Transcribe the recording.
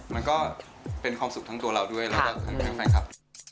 แล้วก็เป็นความสุขทั้งตัวเราด้วยแล้วกับท่านคลับ